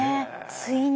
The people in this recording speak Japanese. ついに。